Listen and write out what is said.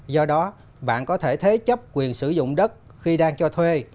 do đó bạn có thể thế chấp quyền sử dụng đất khi đang cho thuê